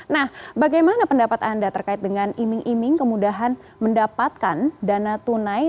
nah bagaimana pendapat anda terkait dengan iming iming kemudahan mendapatkan dana tunai